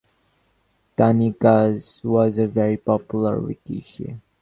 Tanikaze was a very popular rikishi.